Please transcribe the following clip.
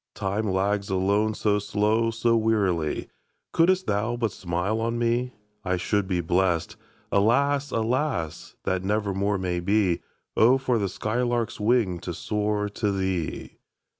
Time lags alone so slow, so wearily; Couldst thou but smile on me, I should be blest. Alas, alas! that never more may be. Oh, for the sky lark's wing to soar to thee!